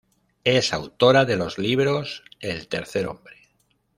Es autora de los libros "El tercer hombre.